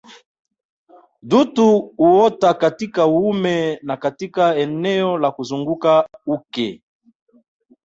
Dutu huota katika uume na katika eneo la kuzunguka uke